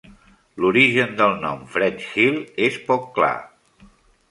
L'origen del nom French Hill és poc clar.